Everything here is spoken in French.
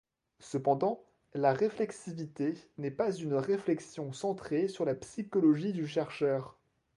Cependant la réflexivité n'est pas une réflexion centrée sur la psychologie du chercheur.